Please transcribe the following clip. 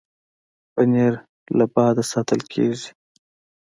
پنېر له باده ساتل کېږي.